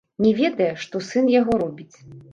Не ведае, што сын яго робіць.